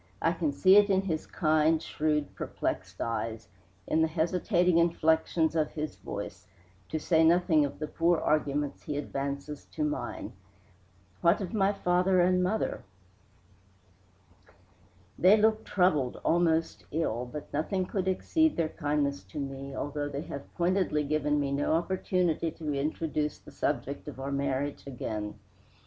I can see it in his kind, shrewd, perplexed eyes, in the hesitating inflections of his voice, to say nothing of the poor arguments he advances to mine. What of my father and mother?" "They look troubled, almost ill, but nothing could exceed their kindness to me, although they have pointedly given me no opportunity to introduce the subject of our marriage again.